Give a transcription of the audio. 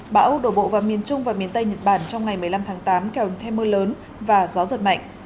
bão đổ bộ vào miền trung và miền tây nhật bản trong ngày một mươi năm tháng tám kéo thêm mưa lớn và gió giật mạnh